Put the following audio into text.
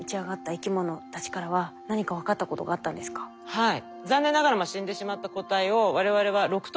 はい。